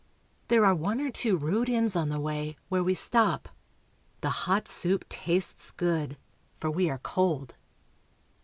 There are one or two rude inns on the way, where we stop ; the hot soup tastes good, for we are cold.